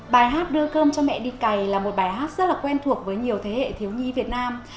bài hát đưa cơm cho mẹ đi cầy là một bài hát rất là quen thuộc với nhiều thế hệ thiếu nhi việt nam